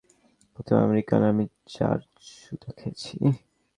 একটা নোংরা কথা শুনাইঃ টনিই প্রথম আমেরিকান আমি যার চুদা খেয়েছি।